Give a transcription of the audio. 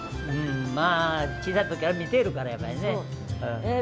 まあ小さい時から見ているからやっぱりね。